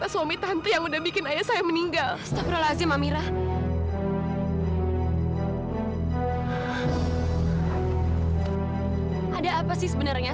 sampai jumpa di video selanjutnya